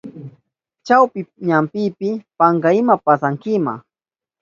Chawpi ñampipi pakta ima pasankima.